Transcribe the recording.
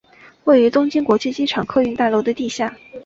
位于东京国际机场客运大楼的地下。